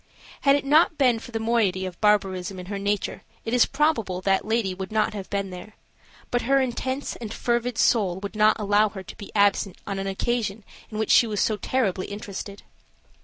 Had it not been for the moiety of barbarism in her nature it is probable that lady would not have been there, but her intense and fervid soul would not allow her to be absent on an occasion in which she was so terribly interested.